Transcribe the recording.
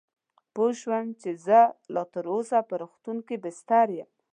پوه شوم چې زه لا تراوسه په روغتون کې بستر یم.